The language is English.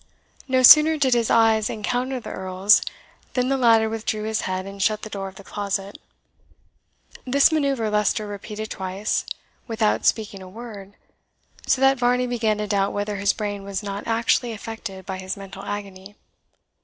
No sooner did his eyes encounter the Earl's, than the latter withdrew his head and shut the door of the closet. This manoeuvre Leicester repeated twice, without speaking a word, so that Varney began to doubt whether his brain was not actually affected by his mental agony.